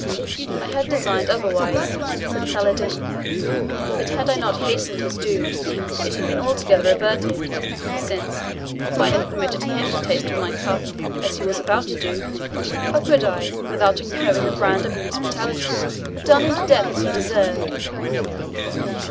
"I had designed otherwise," said Saladin. "But had I not hastened his doom, it had been altogether averted, since, if I had permitted him to taste of my cup, as he was about to do, how could I, without incurring the brand of inhospitality, have done him to death as he deserved?